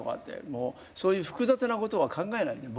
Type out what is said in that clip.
もうそういう複雑なことは考えないね